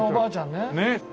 ねえ。